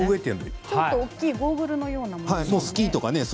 大きいゴーグルのようなものですね。